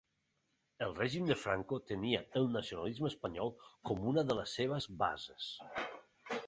El règim de Franco tenia el nacionalisme espanyol com una de les seves bases.